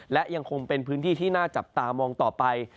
และยังคงเป็นพื้นที่ที่น่าจับตามองต่อไป